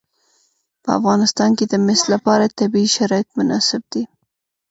په افغانستان کې د مس لپاره طبیعي شرایط مناسب دي.